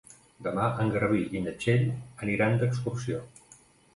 Demà en Garbí i na Txell aniran d'excursió.